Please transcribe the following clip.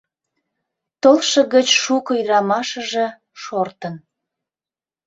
Толшо гыч шуко ӱдырамашыже шортын.